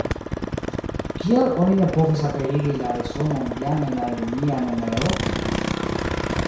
Kial oni ne povis aperigi la resumon jam en la junia numero?